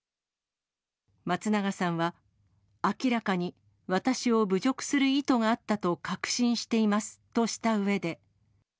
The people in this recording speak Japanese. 松永さんは、明らかに私を侮辱する意図があったと確信していますとしたうえで。